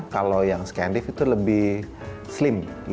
kalau yang scandif itu lebih slim